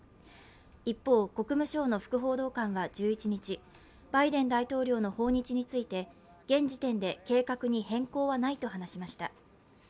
一方、国務省の副報道官は１１日、バイデン大統領の訪日について現時点で計画に変更はないと話しました。